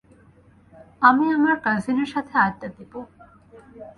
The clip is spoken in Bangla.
আমি আমার কাজিনের সাথে আড্ডা দিবো।